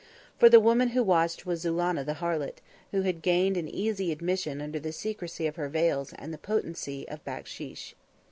For the woman who watched was Zulannah the harlot, who had gained an easy admission under the secrecy of her veils and the potency of backschish.